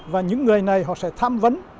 và những người này họ sẽ tham vấn